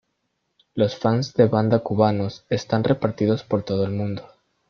Los fans de banda cubanos están repartidos por todo el mundo.